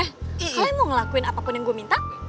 saya mau ngelakuin apapun yang gue minta